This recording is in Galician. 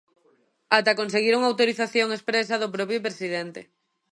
Ata conseguiron autorización expresa do propio presidente.